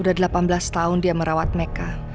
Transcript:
udah delapan belas tahun dia merawat meka